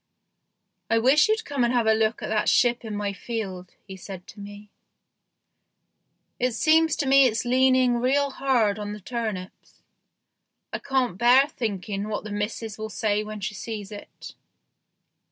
" I wish you'd come and have a look at that ship in my field," he said to me ;" it seems to me it's leaning real hard on the turnips. I can't bear thinking what the missus will say when she sees it."